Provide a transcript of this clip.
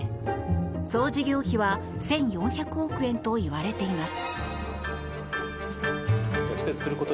総事業費は１４００億円といわれています。